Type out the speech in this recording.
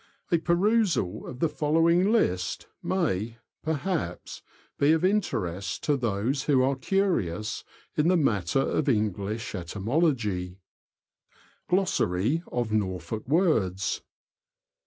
A perusal of the following list may, perhaps, be of interest to those who are curious in the matter of English etymology :— Glossary of Norfolk Words.